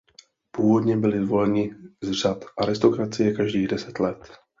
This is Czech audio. Původně byli voleni z řad aristokracie každých deset let.